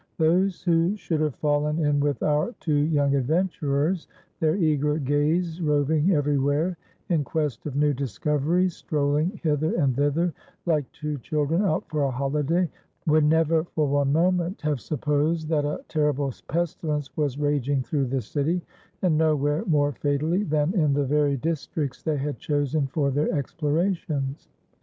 Those who should have fallen in with our two young adventurers, their eager gaze roving everywhere in quest of new discoveries, strolling hither and thither like two children out for a holiday, would never for one moment have supposed that a terrible pestilence was raging through the city, and nowhere more fatally than in the very districts they had chosen for their explorations.